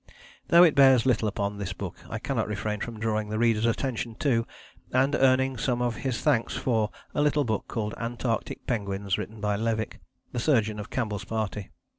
Though it bears little upon this book I cannot refrain from drawing the reader's attention to, and earning some of his thanks for, a little book called Antarctic Penguins, written by Levick, the Surgeon of Campbell's Party.